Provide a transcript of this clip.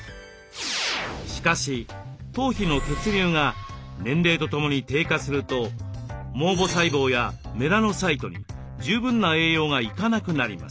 しかし頭皮の血流が年齢とともに低下すると毛母細胞やメラノサイトに十分な栄養が行かなくなります。